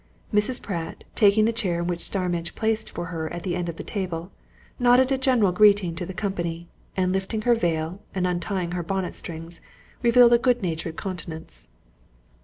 Mrs. Pratt, taking the chair which Starmidge placed for her at the end of the table, nodded a general greeting to the company, and lifting her veil and untying her bonnet strings, revealed a good natured countenance.